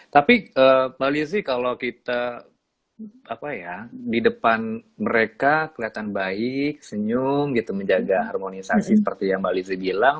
tapi mbak lizzie kalau kita apa ya di depan mereka kelihatan baik senyum gitu menjaga harmonisasi seperti yang mbak lizzie bilang